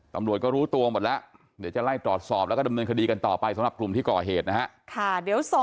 ตำรวจก็รู้ตัวหมดแล้วเดี๋ยวจะไล่ตรวจสอบแล้วก็ดำเนินคดีกันต่อไปสำหรับกลุ่มที่ก่อเหตุนะฮะ